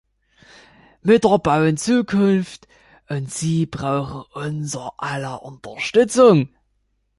Mütter bauen Zukunft, und sie brauchen unser aller Unterstützung.